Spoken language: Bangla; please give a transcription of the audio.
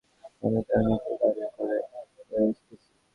আমি তার মৃত্যুর কারণ হয়ে গেছি।